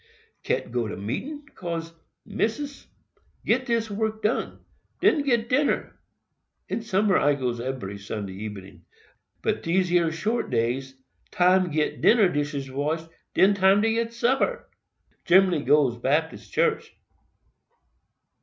"Can't go to meetin, 'cause, Missis, get dis work done—den get dinner. In summer, I goes ebery Sunday ebening; but dese yer short days, time done get dinner dishes washed, den time get supper. Gen'lly goes Baptist church."